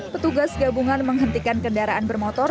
petugas gabungan menghentikan kendaraan bermotor